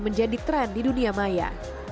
menjadi tren di dunia maya